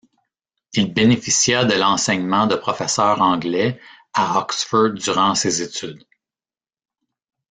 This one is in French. Il bénéficia de l’enseignement de professeurs anglais à Oxford durant ses études.